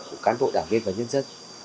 của cán bộ đảng viên và nhân dân